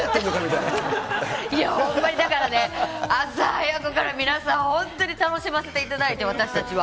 いや、ほんまにだからね、朝早くから皆さん本当に楽しませていただいて、私たちは。